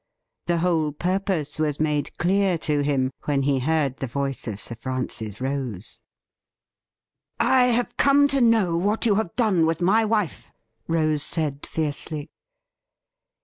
The whole purpose was made clear to him when he heard the voice of Sir Francis Rose. 'I have come to know what you have done with my wife !' Rose said fiercely.